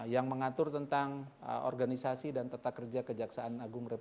yang mengatur tentang organisasi dan tetap kerja